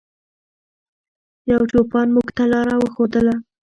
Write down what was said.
یو چوپان موږ ته لاره وښودله.